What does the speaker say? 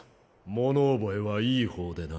物覚えはいい方でな。